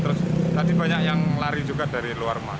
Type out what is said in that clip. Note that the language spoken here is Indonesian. terus nanti banyak yang lari juga dari luar rumah